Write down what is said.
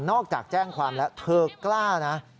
จากแจ้งความแล้วเธอกล้านะ